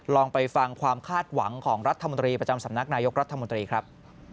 ลองไปฟังความคาดหวังของรัฐมนตรีประจำสำนักนายกรัฐมนตรีครับ